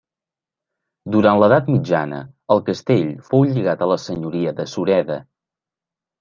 Durant l'Edat mitjana el castell fou lligat a la senyoria de Sureda.